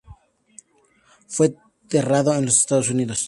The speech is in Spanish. Fue enterrado en los Estados Unidos.